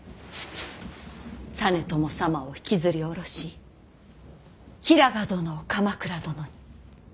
実朝様を引きずり下ろし平賀殿を鎌倉殿に。